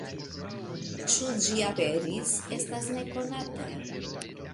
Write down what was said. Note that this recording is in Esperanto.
Ĉu ĝi aperis, estas nekonata.